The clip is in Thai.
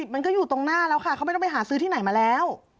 มันก็อยู่ตรงหน้าแล้วค่ะเขาไม่ต้องไปหาซื้อที่ไหนมาแล้ว